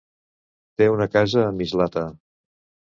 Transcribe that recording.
Té una casa a Mislata.